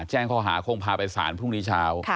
แจ้งข้อหาคงพาไปสารพรุ่งนี้เช้า